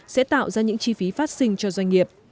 sẽ tạo ra những chi phí phát sinh cho doanh nghiệp